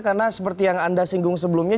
karena seperti yang anda singgung sebelumnya